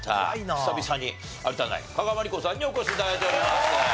久々に有田ナイン加賀まりこさんにお越し頂いております。